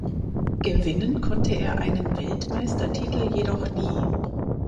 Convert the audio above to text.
Gewinnen konnte er einen Weltmeistertitel jedoch nie.